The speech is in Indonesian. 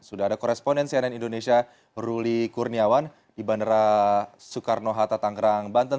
sudah ada koresponen cnn indonesia ruli kurniawan di bandara soekarno hatta tanggerang banten